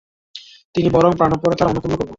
আমি বরং প্রাণপণে তার আনুকূল্য করব।